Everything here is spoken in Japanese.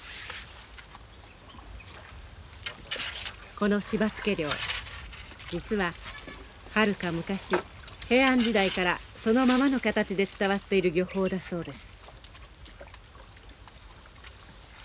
この柴つけ漁実ははるか昔平安時代からそのままの形で伝わっている漁法だそうです。